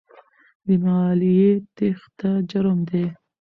د مالیې تېښته جرم دی.